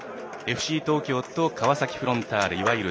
ＦＣ東京と川崎フロンターレいわゆる